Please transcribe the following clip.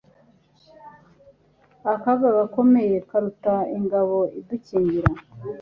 Akaga gakomeye kuruta ingabo idukingira